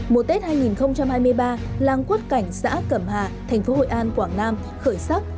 mùa tết hai nghìn hai mươi ba làng quất cảnh xã cẩm hà thành phố hội an quảng nam khởi sắc